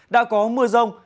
đã có mưa rông